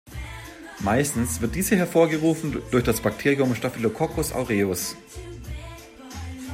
Meistens wird diese hervorgerufen durch das Bakterium "Staphylococcus aureus".